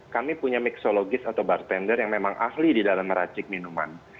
kami punya mixologis atau bartender yang memang ahli di dalam meracik minuman